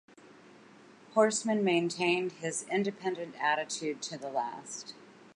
Horsman maintained his independent attitude to the last.